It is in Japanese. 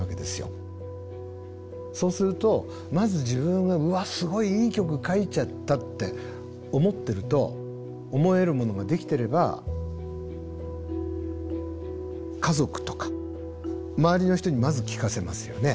そうするとまず自分が「うわっすごいいい曲書いちゃった」って思ってると思えるものができてれば家族とか周りの人にまず聴かせますよね。